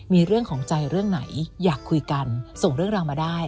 มีเรื่องของใจเรื่องไหนอยากคุยกันส่งเรื่องราวมาได้